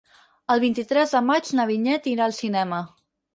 El vint-i-tres de maig na Vinyet irà al cinema.